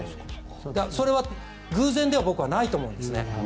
それは僕は偶然ではないと思うんですね。